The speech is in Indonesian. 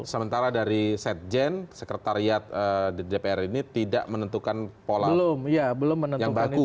sementara dari sekjen sekretariat di dpr ini tidak menentukan pola yang bagus